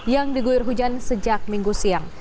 yang diguyur hujan sejak minggu siang